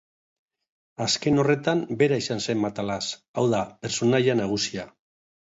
Azken horretan bera izan zen Matalas, hau da, pertsonaia nagusia.